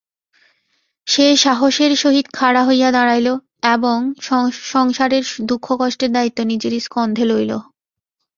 সে সাহসের সহিত খাড়া হইয়া দাঁড়াইল এবং সংসারের দুঃখকষ্টের দায়িত্ব নিজেরই স্কন্ধে লইল।